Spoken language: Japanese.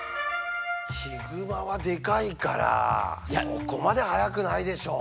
ヒグマはでかいからそこまで速くないでしょう。